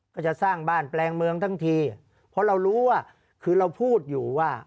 ก็จะสร้างบ้านแปลงเมืองทั้งทีเพราะเรารู้ว่าคือเราพูดอยู่ว่า